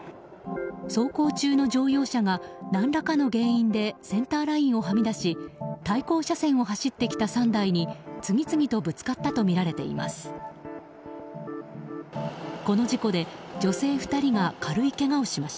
走行中の乗用車が何らかの原因でセンターラインをはみ出し対向車線を走ってきた３台に次々とぶつかったとみられています。